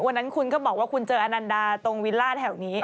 วันนั้นคุณก็บอกว่าคุณเจออนันดาตรงวิลล่าแถวนี้